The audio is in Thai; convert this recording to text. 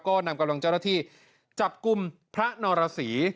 ก็นำกำลังเจ้าหน้าที่จับกลุ่มพระนรสี